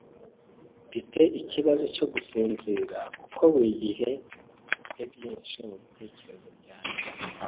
Mfite ikibazo cyo gusinzira kuko buri gihe mfite byinshi mubitekerezo byanjye.